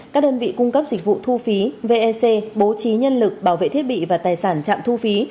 các đơn vị cung cấp dịch vụ thu phí vec bố trí nhân lực bảo vệ thiết bị và tài sản trạm thu phí